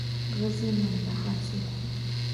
غازي امان الله څوک وو؟